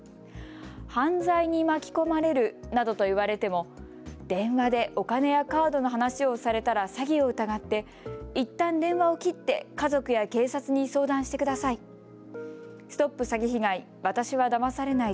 犯罪に巻き込まれるなどと言われても電話でお金やカードの話をされたら詐欺を疑っていったん電話を切って家族や警察に相談してください。